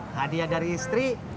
hadiah dari istri